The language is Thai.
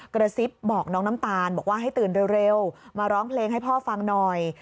กระซิบบอกน้องน้ำตาลบอกว่าให้ตื่นเร็วมาร้องเพลงให้พ่อฟังหน่อย